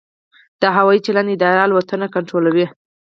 د هوايي چلند اداره الوتنې کنټرولوي